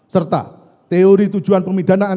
serta teori tujuan pemidanaan